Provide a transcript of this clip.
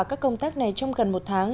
các công tác này trong gần một tháng